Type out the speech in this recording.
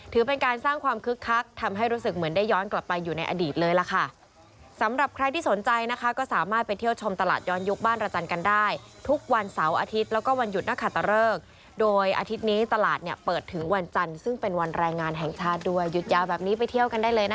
ถือเป็นการสร้างความคึกคักทำให้รู้สึกเหมือนได้ย้อนกลับไปอยู่ในอดีตเลยล่ะค่ะ